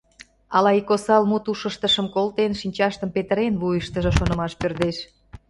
Ала ик осал мут ушыштым колтен, шинчаштым петырен», — вуйыштыжо шонымаш пӧрдеш.